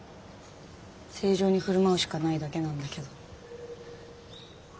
正常に振る舞うしかないだけなんだけど。